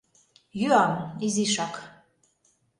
Йӱам... изишак...